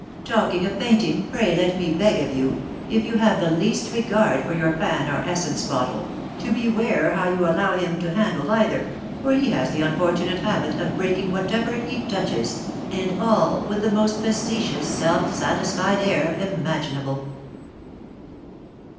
Talking of fainting, pray let me beg of you, if you have the least regard for your fan or essence bottle, to beware how you allow him to handle either, for he has the unfortunate habit of breaking whatever he touches, and all with the most facetious self satisfied air imaginable."